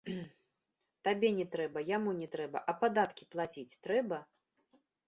Табе не трэба, яму не трэба, а падаткі плаціць трэба?